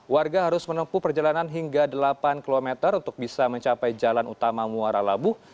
warga harus menempuh perjalanan hingga delapan km untuk bisa mencapai jalan utama muara labuh